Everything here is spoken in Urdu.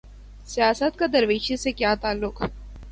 سیاست کا درویشی سے کیا تعلق؟